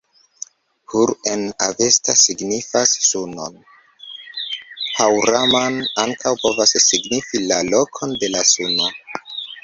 Hur en Avesta signifas sunon. Haŭraman ankaŭ povas signifi la lokon de la suno.